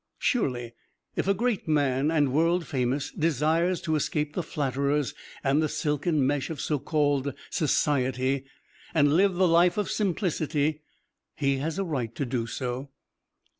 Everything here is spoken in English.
Surely, if a great man and world famous desires to escape the flatterers and the silken mesh of so called society and live the life of simplicity, he has a right to do so.